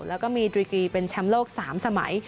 แล้วก็มีดริกีเป็นแชมป์โลก๓สมัย